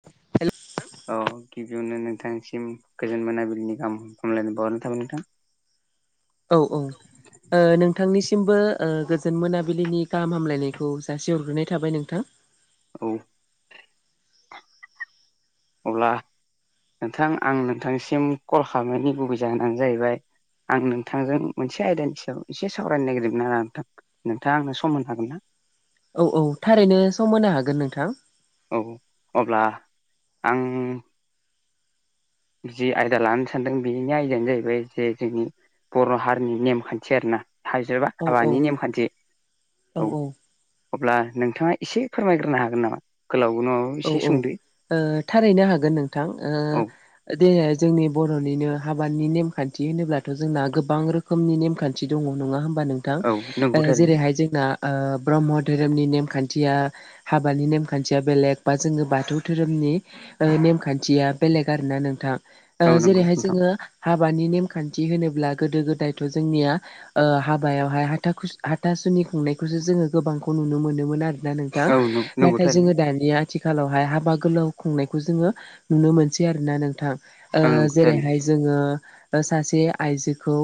[unintelligible] औ गिबियावनो नोंथांसिम गोजोन मोनाबिलिनि गाहाम हामलायनो बावरनाय थाबाय नोंथां औ औ नोंथांनिसिमबो ओ गोजोन मोनाबिलिनि गाहाम हामलायनायखौ जासे हरग्रोनाय थाबाय नोंथां औ अब्ला नोंथां आं नोंथांनिसिम कल खालामनायनि गुबै जाहोनानो जाहैबाय आं नोंथांजों मोनसे आयदानि सायाव एसे सावरायनो नागिरदोंमोन आरोना नोंथां नोंथाङा आंनो सम होनो हागोन ना औ औ थारैनो सम होनो हागोन नोंथां औ अब्ला आं जि आयदा लानो सानदों बेनि आयदायानो जाहैबाय जे जोंनि बर' हारिनि नेमखान्थि आरोना हाइजा औ औ हाबानि नेमखान्थि औ अब्ला नोंथाङा एसे फोरमायग्रोनो हागोन नामा गोलाव नङा औ औ ओ थारैनो हागोन नोंथां औ ओ दे जोंनि बर'निनो हाबानि नेमखान्थि होनोब्लाथ' जोंना गोबां रोखोम रोखोमनि नेमखान्थि दङ नङा होमबा नोंथां औ नंगौ थारैनो जेरैहाय जोंना ब्रह्म धोरोमनि नेमखान्थिया हाबानि नेमखान्थिया बेलेग बा जोङो बाथौ धोरोमनि नेमखान्थिया बेलेग आरोोना नोंथां औ नंगौ जेरैहाय नोंथां जोङो हाबानि नेमखान्थि होनोब्ला गोदो गोदायथ' जोंनिया हाबायावहाय हाथाु हाथासुनि खुंनायखौसो जोङो गोबांखौ नुनो मोनोमोन आरोना नों औ नं नंगौ नाथाय थारैनो जोङो दानिया आथिखालावहाय हाबा गोलाव खुंनायखौ जोङो नुनो मोनसै आरो ना नोंथां ओ औ नंगौ थारैनो जेरैहाय जोङो सासे आइजोखौ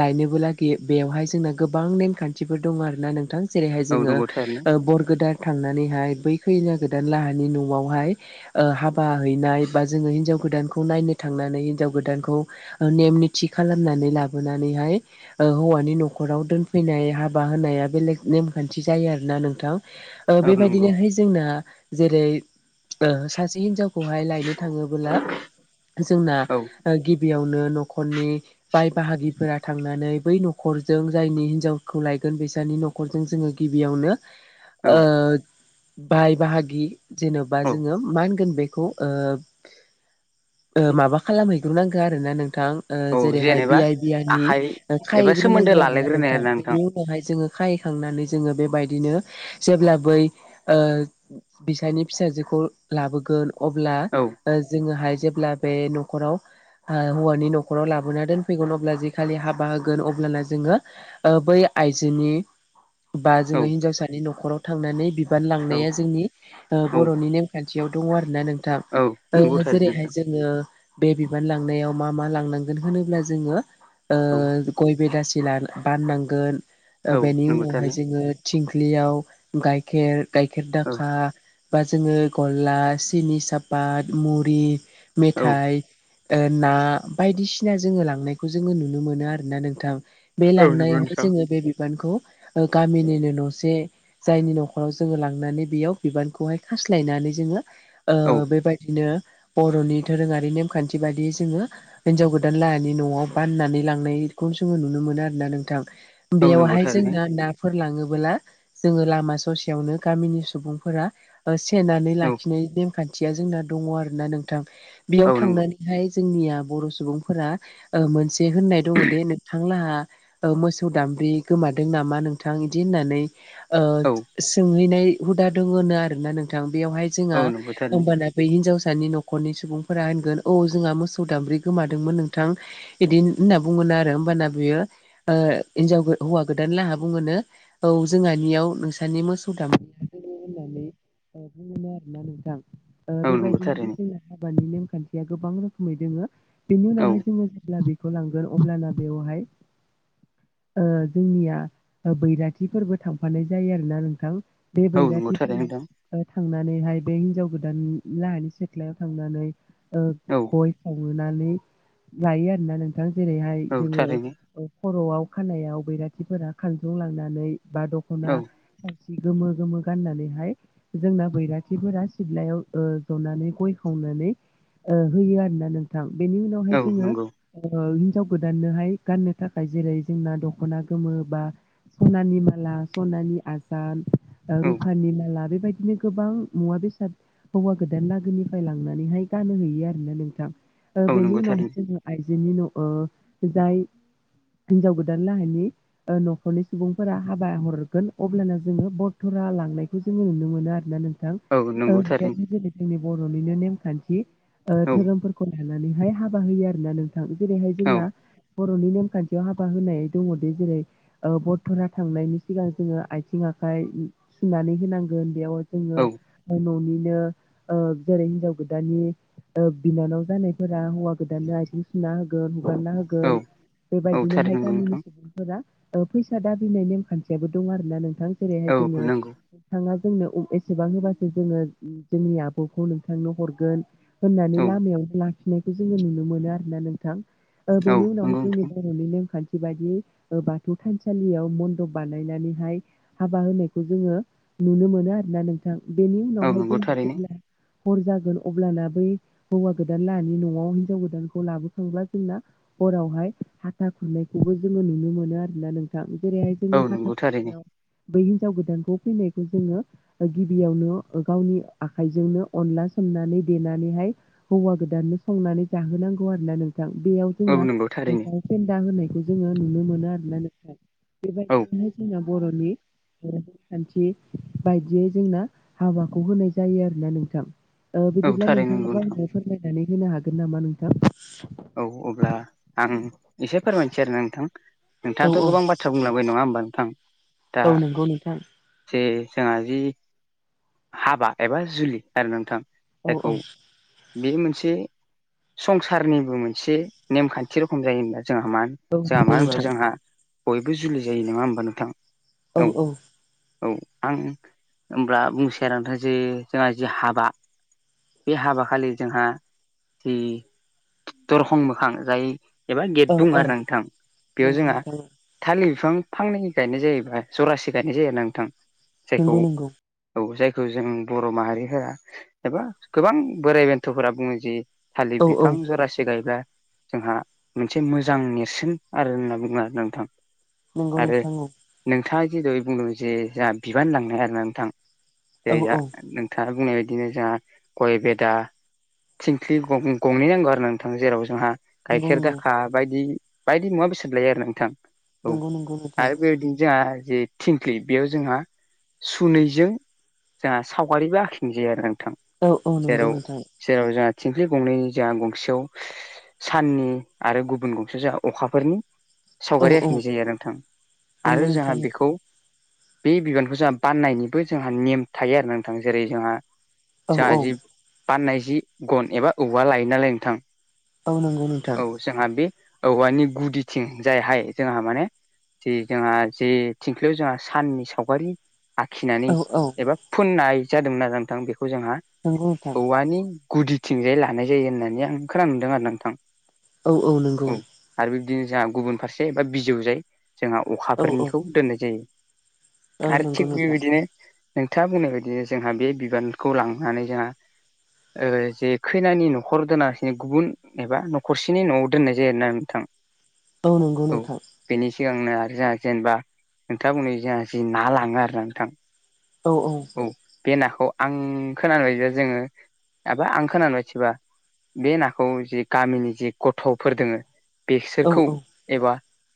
लायनोबो लागि बेवहाय जोंना गोबां नेमखान्थिफोर दङ आरो ना नोंथां जेरैहाय औ नंगौ थारैनो जोङो बरगदान थांनानैहाय बै खैना गोदान लाहानि न'आवहाय हाबा हैनाय बा जोङो हिनजाव गोदानखौ नायनो थांनानै हिनजाव गोदानखौ नेम निथि खालामनानै लाबोनानैहाय हौवानि न'खराव दोनफैनाय हाबा होनाया बेलेग नेमखान्थि जायो आरो ना नोंथां औ नंगौ बेबायदिनोहाय जोंना जेरै सासे हिनजाव खौहाय लायनो थाङोबला जोंना औ गिबियावनो न'खरनि बाय बाहागिफोरा थांनानै बै न'खरजों जायनि हिनजावखौ लायगोन बैसानि न'खर नखरजों जोङो गिबियावनो [inaudible] बाय बाहाग जेन'बा औ जोङो मा होनगोन बेखौ माबा खालामहै दुनांगो आरोना नोंथां औ जेरैहाय जेनेबा बियइ बियानि आखाइ एबा सोमोन्दो खायैग्रोनांगौ आरो ना लालायग्रोनाय नोंथा आरोना नोंथां बेनि बेहाय जोङो खाहैखांनानै जोङो बेबायदिनो जेब्ला बै बििसायनि फिसाजोखौ लाबोगोन अब्ला औ जोङोहाय जेब्ला बे न'खराव ओ हौवानि न'खराव लाबोना दोनफैगोन अब्ला जे खालि हाबा होगोन अब्लाना जोङो बै आइजोनि बा औ जोङो हिनजावसानि न'खराव थांनानै बिबान औ लांनाया जोंनि औ बर'नि नेमखान्थियाव दङ आरो ना नोंथां औ नंगौ थारैनो जेरैहाय नोंथां जोङो बे बिबान लांनायाव मा मा लांनांगोन होनोब्ला जोङो औ गय बेदासि लानो बाननांगोन औ बेनि नंगौ उनावहाय थारैनो जोङो थिंख्लियाव गाइखेर गख औ अखा बा जोङो गला सिनि सापात मुरि औ मेथाइ ना बायदिसिना जोङो लांनायखौ जोङो नुनो मोनो आरोोना नोंथां बे औ नंगौ लांनायावहाय नोंथां जोङो बे बिबानखौ गामिनिनो न'से जायनि न'खराव जोङो लांनानै बेयाव बिबानखौहाय खास्लायनानै जोङो औ बेबायाद बिदिनो बर'नि दोरोङारि नेमखान्थि बायदियै जोङो हिनजाव गोदान ानि न'आव बाननानै लांनायखौ जोङो नुनो मोनो आरो ना नोंथां औ नंगौ बेयावहाय थारैनो जोङो नाफोर लाङोबोला जोङो लामा ससेयावनो गामिनि सुबुंफोरा सेनानै औ लाखिनाय नेमखान्थिया जोंना दङ आरो ना नोंथां बेयाव औ नंगौ थांनानै बेहाय जोंनिया बर' सुबुंफोरा मोनसे होननाय दङ दि नोंथां लाहा मोसौ दामब्रि गोमादों नामा नोंथां बिदि होननानै औ सोंहैनाय हुदा दङो आरोोना नोंथां बेयावहाय औ जोंहा नंगौ थारैनो होमबाना बै हिनजावसानि न'खरनि सुबुंफोरा होनगोन औ जोंहा मोसौ दामब्रि गोमादोंमोन नोंथां बिदि होनना बुङोनो आरो होमबाना बियो ओ हिनजाव हौवा गोदान लाहा बुङोनो औ जोंहानियाव नोंसनि मोसौ दामै होननानै बुङो आरोोना नोंथां औ नंगौ बेबायदिनो थारैनो जोंना हाबानि नेम खान्थिया गोबां रोखोमै दोङो बेनि औ उनावहाय जोङो जेब्ला बे थ लांगोन अब्लाना बेवहाय ओ जोंनिया बैराथिफोरबो थांफानाय जायो आरोना नोंथां बे औ नंगौ बैराथि थारैनो फोरा नोंथां ओ थांनानैहाय बे हिन्जाव गोदान लाहानि सिथ्लायाव थांनानै ओ औ गय खाव नुनानै लायो आरोना नोंथां जेरैहाय औ जोङो थारैनो खर'आव खानायाव बैराथिफोरा खांजुं लांनानै बा दख'ना औ थावसि गोमो गोमो गाननानैहाय जोंना बैराथिफोरा सिद्लायाव जनानै गय खावनानै ओ होयो आरोना नोंथां बेनि उनावहाय औ जोङो नंगौ ओ हिनजाव गोदाननोहाय गाननो थाखाय जेरै जोंना दख'ना गोमो बा सनानि माला सनानि आजाद ओ औ रुफानि माला बेबायदिनो गोबां मुवा बेसाद हौवा गोदान लागोनिफ्राय लांनानैहाय गानहयो आरोना नोंथां ओ औ बेनि नंगौ थारैनो उनावहाय जोङो आइजोनि न' ओ जाय हिनजाव गोदान लाहायनि ओ न'खरनि सुबुंफोरा हाबा हरगोन अब्लाना जोङो बर फुरा लांनायखौ जोङो नुनो मोनो आरोना नोंथां औ नंगौ बेयाव थारैनो ज जोंनि बर'निनो नेमखान्थि ओ औ धोरोमफोरखौ लानानैहाय हाबा होयो आरोना नों जेरैहाय जोंना औ बर'नि नेमखान्थियाव हाबा होनाय दङदि जेरै ओ बरथरा थांनायनि सिगां जोङो आथिं आखाइ सुनानै होनांगोन बेयाव जोङो औ न'निनो ओ जेरै हिन्जाव गोदानानि ओ बिनानाव जानायफोरा हौवा गोदानानो आथिं सुना होगोन हुगारना औ होगोन औ थारैनो बेबायदिनोहाय नंगौ नोंथां गामिनि सुबुं फोरा ओ फैसा दाबिनाय नेम खान्थियाबो दं आरो ना नोंथां औ जेरैहाय जोङो नंगौ नोंथाङा जोंनो एसेबां होबासो जोङो जोंनि आब'खौ नोंथांनो हरगोन होननानै औ लामायावनो लाखिनायखौ जोङो नुनो मोनो आरो ना नोंथां ओ औ बेनि नंगौ उनावहाय जोंनि नोंथां बर' न'नि नेमखान्थि बायदि बाथौ थानसालियाव मन्दप बानायनानैहाय हाबा होनाय खौ जोङो नुनो मोनो आरोना नोंथां बेनि औ उनावहाय नंगौ जोंहा थारैनो जेब्ला हर जागोन अब्लाना बै हौवा गोदान लानि न'आव हिनजाव गोदानखौ लाबोखांब्ला जोंना हरावहाय हाथा खुरनायखौबो जोङो नुनो मोनो आरोना नोंथां जेरैहाय औ जोङो हाथा नंगौ थारैनो खुरनायाव बै हिनजाव गोदानखौ फैनायखौ जोङो गिबियावनो गावनि आखाइजोंनो अनला सोमनानै देनानैहाय हौवा गोदाननो संनानै जाहोनांगौ आरो ना नोंथां बेयाव औ जोंना नंगौ थारैनो दाउ फेन्दा होनायखौ जोङो नुनो मोनो आरो ना नोंथा औ बेबायदिनो जोंना बर'नि बर'निखान्थियै बायदियै जोंना हाबाखौ होनाय जायो आरोना नोंथां औ बिदिब्ला थारैनो नंगौ नोंथाङाबो नोंथां आंनो फोरमायनानै होनो हागोन नामा नोंथां औ अब्ला आं एसे फोरमायसै आरोना नोंथां औ नोंथाङाथ' औ गोबां बाथ्रा बुंलांबाय नङाोमबा नोंथां दा औ नंगौ नोंथां जे जोंहा जि हाबा एबा जुलि आरो नोंथां औ जायखौ औ बे मोनसे संसारनि मोनसे नेमखान्थि रोखम जायोबा जोंहा म औ जोंहा मानो नंगौ होनबा नोंथां जोंहा बयबो जुलि जायो नङा होमबा नोंथां औ औ आं होनब्ला बुंसै आरो नोंथां जे जोंहा जि हाबा बे हाबा खालि जोंहा जि दरखं मोखां जाय एबा गेट औ बुङ औ आरो नोंथां बेयाव नंगौ जोंहा नोंथां थालिर बिफां फांनै गायनाय जायोबा जरासे गायनाय जायो ना नोंथां नंगौ जायखौ नंगौ औ जायखौ जों बर' माहारिफोरा एबा गोबां बोराइ बेन्थ'फोरा बुङो जि थालिर औ औ बिफां जरासि गायब्ला जोंहा मोनसे मोजां नेरसोन आरो होनना बुङो आरो नोंथां नोंगौ आरो नोंथांखौ नोंथाङा जेरु बुंदों जे जोंहा बिबान लांनाय आरो ना नोंथां औ जेरै जा औ थार बुंनाय बायदिनो जोंहा गय बेदा थिंख्लिं गं-गंनै नांगौ आरो नों थां जेराव जोंहा नंगौ गाइखेर नंगौ दाखा बायदि बायदि मुवा बेसाद लायो आरो नोंथां औ नंगौ नंगौ नोंथां आरो बेबायदिनो जों जे थिंख्लि बेयाव जोंहा सुनैजों जोंहा सावगारिबो आखिं जायो आरो नोंथां औ औ नंगौ जेराव नथाय जेराव जोंहा थिंख्लि गंनै जोंहा गंसेयाव साननि आरो गुबुन गंसे जों अखाफोरनि औ सावगारि औ आखिनाय जायो आरो नोंथां नंगौ आरो जोंहा नोंथां बेखौ बे बिबानखौ जोंहा बाननायनिबो जोंहा नेम थायो आरो नोंथां जेरै जोंहा औ जोंहा औ जि बाननाय जि गन एबा औवा लायो नालाय नोंथां बावनांगौनो औ जोंहा बे औवानि गुदिथिं जाय हाय जोंहा माने जे जोंहा जे थिंख्लियाव जोंहा साननि सावगारि आखिनानै औ औ एबा फुननाय जादोंमोन आरोना नोथां बेखौ जोंहा नोंगौ नोंथां औवानि गुदिथिंजाय लानाय जायो होननानै आं खोनानो मोनदों आरो नोंथां औ औ नंगौ आरो बिबदिनो जोंहा गुबुन फारसे बा बिजौजाय जोंहा औ औ अखाफोरनिखौ दोननाय जायो‌ औ आरो नंगौ थिग नोंथां बेबायदिनो नोंथाङा बुंनाय बायदि जोंहा बे बिबानखौ लांनानै जोंहा ओ जे खैनानि न'खर दोनांसिनो गुबुन एबा न' खरसेनि न'आव दोननाय जायो ना नोंथां औ नंगौ नोंथां बेनि सिगांनो आरो जोंहा जेनेबा नोंथाङा बुंनाय जोंहा जि ना लाङो आरो नोंथां औ औ औ बे नाखौ आं खोनानाय बायदिबा जोङो माबा आं खोनानाय [unintelligible] बे नाखौ जे गामिनि जे गथ'फोर दोङो औ बिसोरखौ औ एबा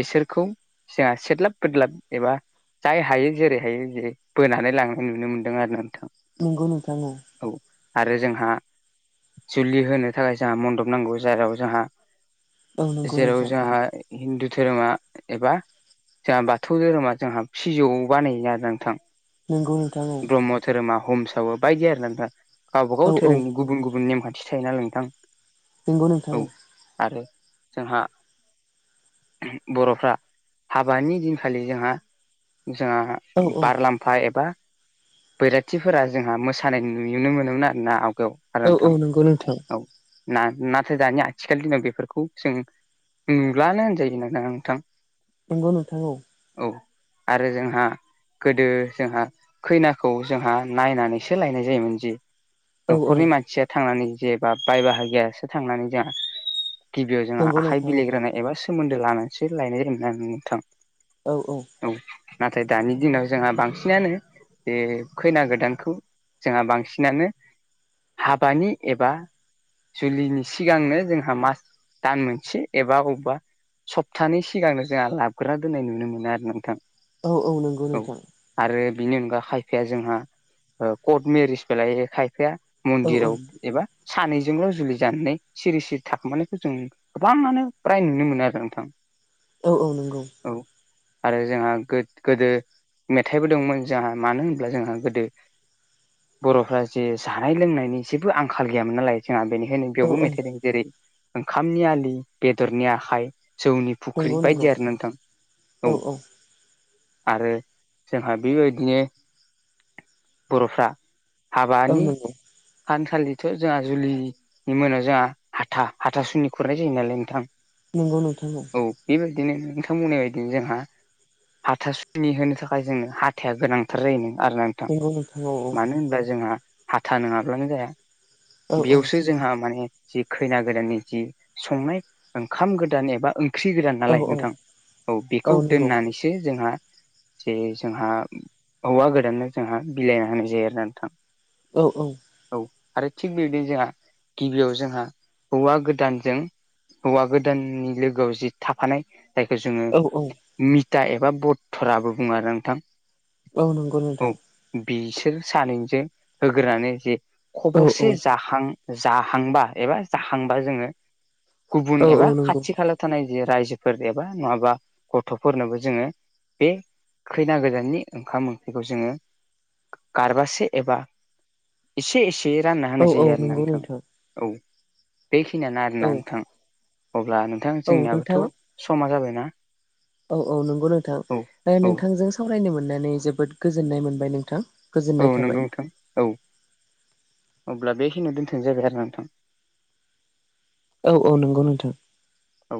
बिसोरखौ जोंहा सदलाब बोदलाब एबा जाय हायो जेरै हायो जे बोनानै लांनाय नुनो मोनदों आरो नोंथां। नंगौ नोंथां औ औ आरो जोंहा जुलि होनो थाखाय जोंहा मन्दप नांगौ जेराव जोंहा औ नंगौ जेराव नोंथां जोंहा हिन्दु धोरोमा एबा जोंहा बाथौ धोरोमा जोंहा फिजौ बानाय जादों नोंथां नोंगौ नोंथां औ ब्रह्म धोरोमा हमसावो बायदि आरो नोंथां औ गावबाागाव औ धोरोमनि गुबुन गुबुन नेमखान्थि थायोना नोंथां। नंगौ नोंथां औ आरो जोंहा बर'फ्रा हाबानि दिनखालि जोंहा जोंहा औ औ बार लामफा एबा बैराथिफोरा जोंहा मोसानाय नुनो मोनोमोन आरोना आवगायाव आरो औ औ नोंथां नंगौ नोंथां औ ना-नाथाय दानिया आथिखालनि दिनाव बेफोरखौ जों नुुलानो होनजायो ना नोंथां? नंगौ नोंथां औ औ आरो जोंहा गोदो जोंहा खैनाखौ जोंहा नायनानैसो लायनाय जायोमोन जि औ न'खरनि मानसिया थांनानै जेबा बाय बाहागियासो थांनानै जोंहा गिबियाव औ जोंहा नंगौ आखाइ नोंथां बिलाेग्रोनाय एबा सोमोन्दो लानानैसो लायनाय जायोमोनना नोंथां। औ औ औ नाथाय दानि दिनाव जोंहा बांसिनानो बे खैना गोदानखौ जोंहा बांसिनानो हाबानि एबा जुलिनि सिगांनो जोंहा मास दान मोनसे एबा अबेबा सप्तानि सिगांनो जोंहा लाबगोरा दोननाय नुनो मोनो आरो नोंथां औ औ नंगौ नोंथां आरो बिनि अनगा खायफाया जोंहा ओ कर्ट मेरिस बेालाय खायफाया औ मन्दिराव एबा सानैजोंल' जुलि जानानै सिरि सिरि थाखुमानायखौ जों गोबाङानो फ्राय नुनो मोनो आरोना नोंथां। औ औ नंगौ औ आरो जोंहा गोदो मेथाइबो दंमोन जोंहा मानो होनब्ला जोंहा गोदो बर'फ्रा जे जानाय लोंनायनि जेबो आंखाल गैयामोन नालाय जोंहा बेनिखायनो औ बेयावबो औ मेथाइदों जेरै ओंखामनि आलि बेदरनि आखाइ जौनि फुख्रि नंगौ नंगौ बायदि आरो नोंथां औ आरो जोंहा बेबायदिनो बर'फ्रा औ हाबानि नंगौ खानसालिथ' जोंहा जुलि बि मोनाव जोंहा हाथा हाथासुनि खुरनाय जायो नालाय नोंथां नंगौ नुथौ औ बेबायदिनो नोंथां बुंनाय बायदिनो जोंहा हाथासुनि होनो थाखाय जोङो हाथाइा गोनांथार जायो नों आरो न ां नंगौ नोंथां औ मानो होनबा जोंहा हाथा नङाब्लानो जाया औ बेयावसो जोंहा माने जि खैना गोदाननि जि संनाय ओंखाम गोदान एबा ओंख्रि गोदान औ नालाय औ नोंथां औ बेखौ दोननानैसो जोंहा जे जोंहा हौवा गोदाननो जोंहा बिलाइना होनाय जायो आरोा नोंथां औ औ औ आरो थिग बेबायदिनो जोंहा गिबियाव जोंहा हौवा गोदानजों हौवा गोदाननि लोगोआव जि थाफानाय जायखौ जोङो औ औ मिथा एबा बथराबो बुङो आरो नोंथां औ नंगौ औ नोंथां बिसोर सानैजों होग्रोनानै जे औ औ अबसे जां जाहांबा एबा जाहांबा जोङो औ गुबुुन औ एबा नंगौ खाथि खााला थानाय जे रायजोफोर एबा नङाबा गथ'फोरनोबो जोङो बे खैना गोजाननि ओंखाम ओंख्रिखौ जोङो गारबासो एबा एसे एसे रानना औ होनाय औ जायो आरो नंगौ नोंथां औ बेखिनियानो औ आरोना नोंथां अब्ला नोंथां औ नोंथां जोंनियाबोथ' समा जाबायनाा औ औ नंगौ नोंथां दा औ नोंथांजों सावरायनो मोननानै जोबोद गोजोननाय मोनबाय नोंथां औ गोजोननाय नोंगौ थाबाय नोंथां औ अब्ला बेखिनियाव दोनथनाय जाबाय आरो नोंथां औ औ नंगौ नोंथां औ